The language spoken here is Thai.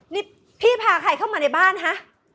นี่พี่พาใครเข้ามาในบ้านฮะ